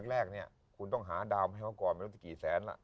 แรกคุณต้องหาดาวน์ของก่อไม่รู้สักกี่แสน